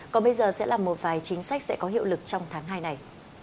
còn bây giờ sẽ là một vài chính sách sẽ có hiệu lực trong tháng hai này